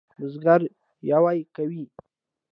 بزگر یویې کوي.